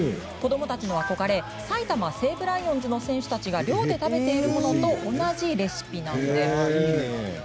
子どもたちの憧れ埼玉西武ライオンズの選手たちが寮で食べているものと同じレシピなんです。